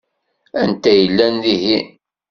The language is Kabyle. Anta i yellan dihin?